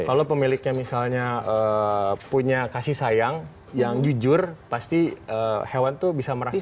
kalau pemiliknya misalnya punya kasih sayang yang jujur pasti hewan tuh bisa merasakan